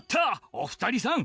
お二人さん